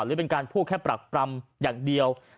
หรือเป็นการพูดแค่ปรักปรำอย่างเดียว